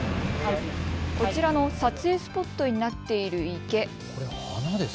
こちらの撮影スポットになっている池。